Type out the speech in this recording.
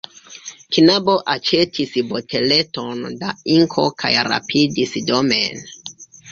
Knabo aĉetis boteleton da inko kaj rapidis domen.